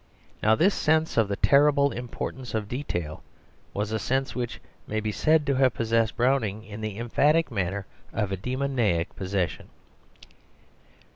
Now this sense of the terrible importance of detail was a sense which may be said to have possessed Browning in the emphatic manner of a demoniac possession.